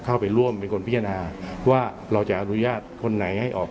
เข้าไปร่วมเป็นคนพิจารณาว่าเราจะอนุญาตคนไหนให้ออก